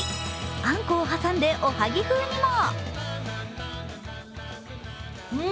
あんこを挟んでおはぎ風にも。